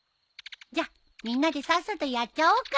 じゃみんなでさっさとやっちゃおうか！